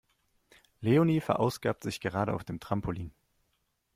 Leonie verausgabt sich gerade auf dem Trampolin.